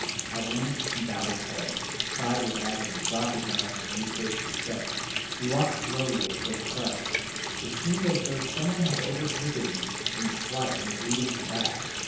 At length he bowed his head, sighed with agony, dropped his arms, and retraced his steps. He walked slowly, and as though crushed. It seemed as though some one had overtaken him in his flight and was leading him back.